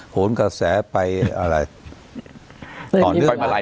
โหงกระแสไปอ่ะล่ะ